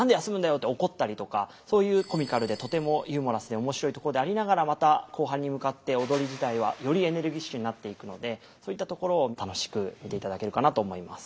って怒ったりとかそういうコミカルでとてもユーモラスで面白いところでありながらまた後半に向かって踊り自体はよりエネルギッシュになっていくのでそういったところを楽しく見ていただけるかなと思います。